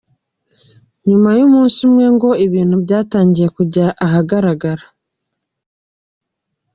Nyuma y’umunsi umwe ngo ibintu byatangiye kujya ahagaragara.